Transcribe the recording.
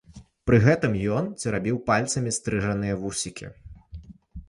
Пры гэтым ён церабіў пальцамі стрыжаныя вусікі.